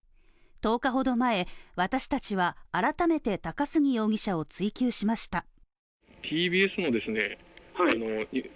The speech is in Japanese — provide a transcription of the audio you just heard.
１０日ほど前、私たちは改めて高杉容疑者を追及しました。